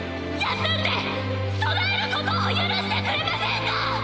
休んで備えることを許してくれませんか！